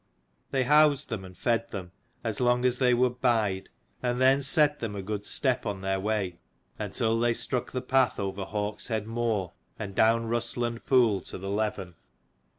They housed them, and fed them, as long as they would bide, and then set them a good step on their way, until they struck the path over Hawkshead moor and down Rusland pool to the Leven.